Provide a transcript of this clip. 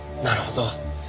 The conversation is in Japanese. なるほど。